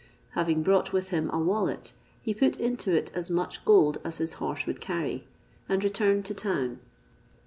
Having brought with him a wallet, he put into it as much gold as his horse would carry, and returned to town.